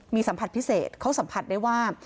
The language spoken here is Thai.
มีสัมผัสพิเศษเขาสัมผัสได้ว่า